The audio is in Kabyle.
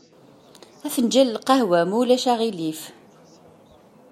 Afenǧal n lqehwa, ma ulac aɣilif.